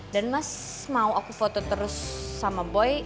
dan mas mau aku foto terus sama boy